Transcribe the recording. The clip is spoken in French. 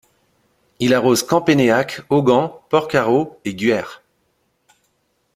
Il arrose Campénéac, Augan, Porcaro et Guer.